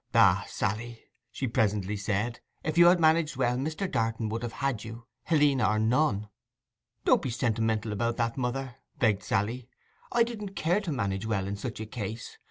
'Ah, Sally,' she presently said, 'if you had managed well Mr. Darton would have had you, Helena or none.' 'Don't be sentimental about that, mother,' begged Sally. 'I didn't care to manage well in such a case.